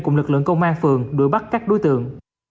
cùng lực lượng công an phường đuổi bắt các đối tượng